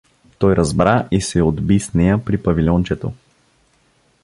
Той разбра и се отби с нея при павильончето.